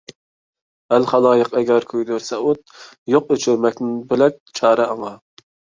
ئەل - خالايىق ئەگەر كۆيدۈرسە ئوت، يوق ئۆچۈرمەكتىن بۆلەك چارە ئاڭا.